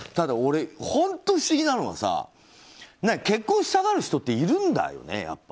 本当に不思議なのはさ結婚したがる人っているんだよね。